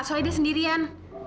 soalnya dia sendirian